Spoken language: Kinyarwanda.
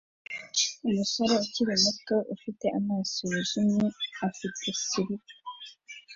Umusore ukiri muto ufite amaso yijimye afite sirupe